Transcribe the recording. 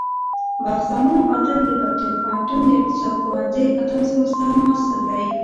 بخت زمان عادل د پکتيا پوهنتون د اقتصاد پوهنځی اتم سمستر محصل دی.